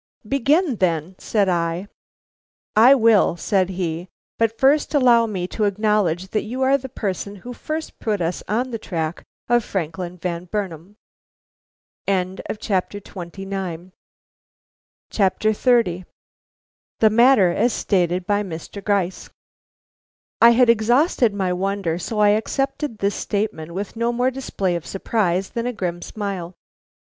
"Begin then," said I. "I will," said he, "but first allow me to acknowledge that you are the person who first put us on the track of Franklin Van Burnam." XXX. THE MATTER AS STATED BY MR. GRYCE. I had exhausted my wonder, so I accepted this statement with no more display of surprise than a grim smile.